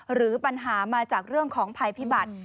หรือปัญหามาจากเรื่องของภัยพิบัติ